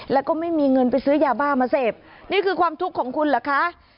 แล้วก็ไม่มีเงินไปซื้อยาบ้ามาเสพนี่คือความทุกข์ของคุณเหรอคะ